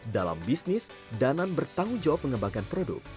dalam bisnis danan bertanggung jawab mengembangkan produk